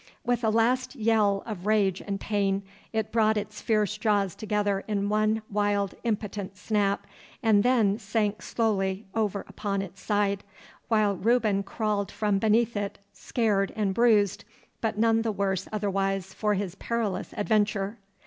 With a last yell of rage and pain it brought its fierce jaws together in one wild impotent snap, and then sank slowly over upon its side, while Reuben crawled from beneath it, scared and bruised, but none the worse otherwise for his perilous adventure.